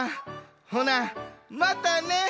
ほなまたね！